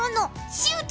シュート。